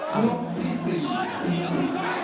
ครับ